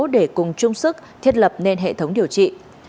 để cùng chung sức thiết lập nên hệ thống điều trị